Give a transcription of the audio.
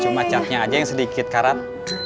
cuma catnya aja yang sedikit karat